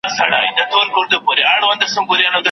او له هیلمند څخه تر جلال آباد